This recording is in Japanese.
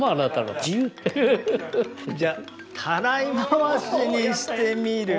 じゃたらい回しにしてみる！